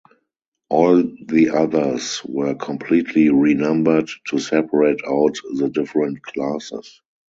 All the others were completely renumbered to separate out the different classes.